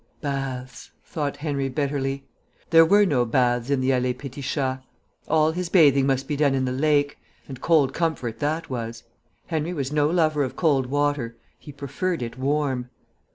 Baths, thought Henry bitterly. There were no baths in the Allée Petit Chat. All his bathing must be done in the lake and cold comfort that was. Henry was no lover of cold water: he preferred it warm.